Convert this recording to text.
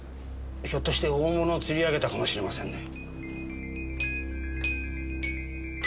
ひょっとして大物を釣り上げたかもしれませんね。